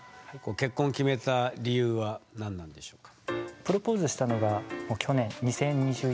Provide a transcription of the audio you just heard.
結婚を決めた理由は何なんでしょうか？